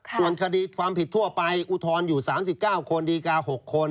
ส่วนคดีความผิดทั่วไปอุทธรณ์อยู่๓๙คนดีกา๖คน